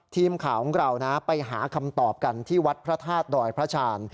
ทีมข่าวของเราไปหาคำตอบกันที่วัดพระธาตุดอยพระชาญ